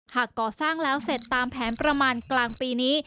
ก่อสร้างแล้วเสร็จตามแผนประมาณกลางปีนี้